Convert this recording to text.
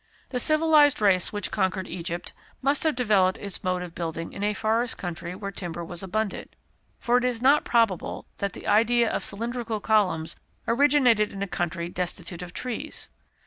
The civilized race which conquered Egypt must have developed its mode of building in a forest country where timber was abundant, for it is not probable, that the idea of cylindrical columns originated in a country destitute of trees.